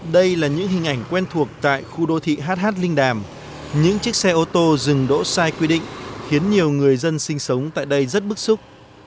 đây là những hình ảnh quen thuộc tại khu đô thị hh linh đàm những chiếc xe ô tô dừng đỗ sai quy định khiến nhiều người dân sinh sống tại đây rất bức xúc